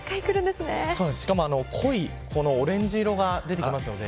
しかも、濃いオレンジ色が出てきますよね。